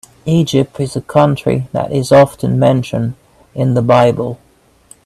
Egypt is a country that is often mentioned in the Bible.